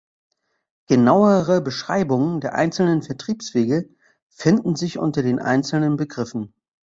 Genauere Beschreibungen der einzelnen Vertriebswege finden sich unter den einzelnen Begriffen.